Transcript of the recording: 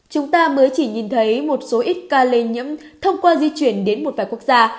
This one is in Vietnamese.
chúng ta mới chỉ nhìn thấy một số ít ca lây nhiễm thông qua di chuyển đến một vài quốc gia